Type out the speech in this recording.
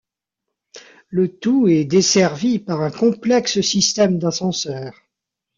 Le tout est desservi par un complexe système d'ascenseurs.